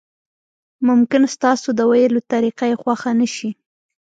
ممکن ستاسو د ویلو طریقه یې خوښه نشي.